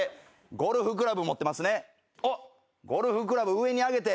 ゴルフクラブ上に上げて。